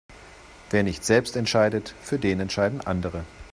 Wer nicht selbst entscheidet, für den entscheiden andere.